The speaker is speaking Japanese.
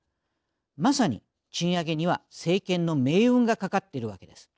まさに賃上げには政権の命運が懸かっているわけです。